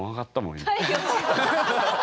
今。